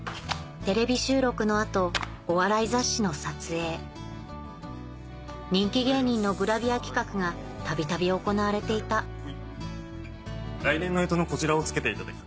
テレビ収録の後お笑い雑誌の撮影人気芸人のグラビア企画がたびたび行われていた来年の干支のこちらを着けていただきたくて。